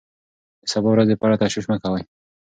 د سبا ورځې په اړه تشویش مه کوه.